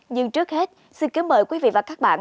nhưng trước hết xin kính mời quý vị và các bạn